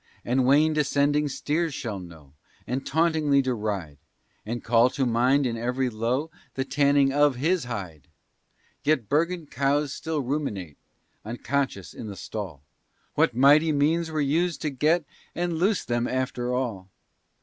And Wayne descending steers shall know, And tauntingly deride; And call to mind in every low, The tanning of his hide. Yet Bergen cows still ruminate, Unconscious in the stall, What mighty means were used to get, And loose them after all.